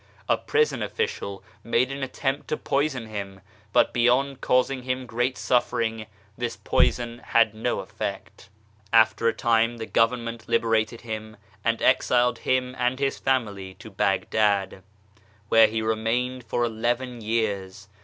A prison official made an attempt to poison him, but beyond causing him great suffering this poison had no effect. After a time the Government liberated him and exiled him and his family to Baghdad, where he remained for eleven years.